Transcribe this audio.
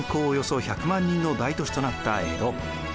およそ１００万人の大都市となった江戸。